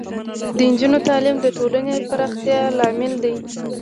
د نجونو تعلیم د ټولنې پراختیا لامل دی.